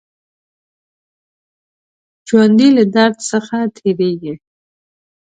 ژوندي له درد څخه تېرېږي